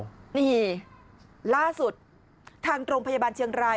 นี่ล่าสุดทางโรงพยาบาลเชียงราย